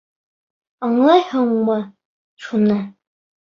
Аңлайһыңмы шуны?